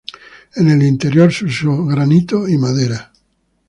En el interior se usó granito y madera.